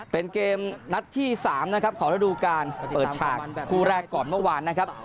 เป็นเกมนัดที่๓นะครับของระดูการเปิดฉากคู่แรกก่อนเมื่อวานนะครับ